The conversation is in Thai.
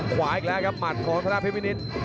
ขวาอีกแล้วครับหมัดของพระนาทีเวนิส